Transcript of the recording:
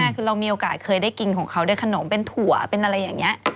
คือเรามีโอกาสเคยได้กินของเขาด้วยขนมเป็นถั่วเป็นอะไรอย่างนี้